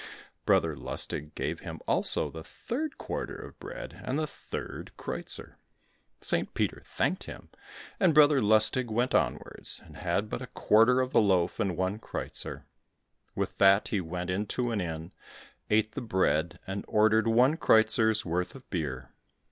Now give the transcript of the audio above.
Brother Lustig gave him also the third quarter of bread and the third kreuzer. St. Peter thanked him, and Brother Lustig went onwards, and had but a quarter of the loaf, and one kreuzer. With that he went into an inn, ate the bread, and ordered one kreuzer's worth of beer.